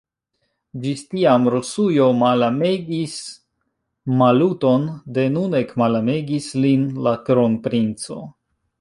Ĝis tiam Rusujo malamegis Maluton, de nun ekmalamegis lin la kronprinco.